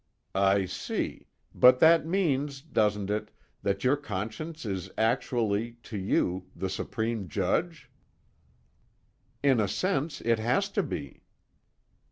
"I see. But that means, doesn't it, that your conscience is actually, to you, the supreme judge?" "In a sense it has to be."